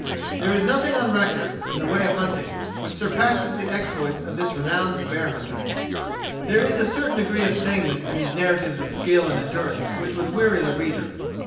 There is nothing on record, in the way of hunting, which surpasses the exploits of this renowned bear hunter. But there is a certain degree of sameness in these narratives of skill and endurance which would weary the reader.